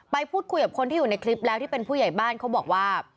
ไปพูดคุยกับคนที่อยู่ในคลิปแล้วที่เป็นผู้ใหญ่บ้านเขาบอกว่า